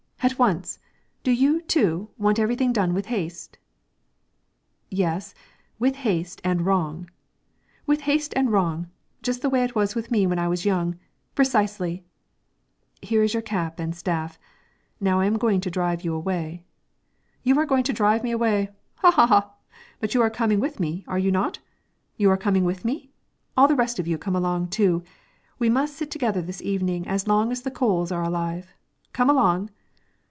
at once! Do you, too, want everything done with haste?" "Yes, with haste and wrong." "With haste and wrong! Just the way it was with me when I was young, precisely." "Here is your cap and staff; now I am going to drive you away." "You are going to drive me away, ha ha ha! But you are coming with me; are you not? You are coming with me? All the rest of you come along, too; we must sit together this evening as long as the coals are alive. Come along!"